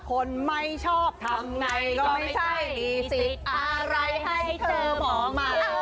คนไม่ชอบทำไงก็ไม่ใช่มีสิทธิ์อะไรให้เจอหมอมา